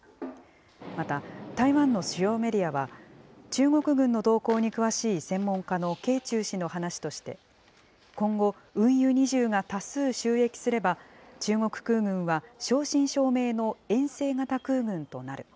また、台湾の主要メディアは中国軍の動向に詳しい専門家の掲仲氏の話として、今後、運油２０が多数就役すれば、中国空軍は正真正銘の遠征型空軍となる。